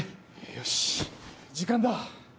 よし時間だ。